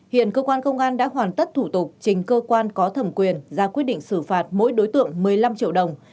hiện cơ quan công an đã hoàn tất thủ tục trình cơ quan có thẩm quyền ra quyết định xử phạt mỗi đối tượng một mươi năm triệu đồng